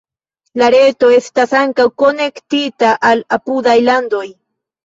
La reto estas ankaŭ konektita al apudaj landoj.